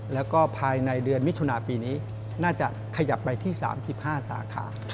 แล้วก็ภายในเดือนมิถุนาปีนี้น่าจะขยับไปที่๓๕สาขา